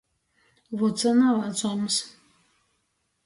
Vucyna vacums.